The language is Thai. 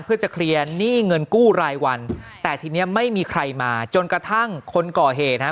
เพื่อจะเคลียร์หนี้เงินกู้รายวันแต่ทีนี้ไม่มีใครมาจนกระทั่งคนก่อเหตุฮะ